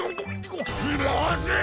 まずい！